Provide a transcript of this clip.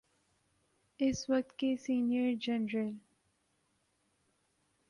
اس وقت کے سینئر جرنیل۔